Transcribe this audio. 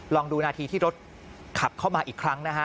ลองดูนาทีที่รถขับเข้ามาอีกครั้งนะฮะ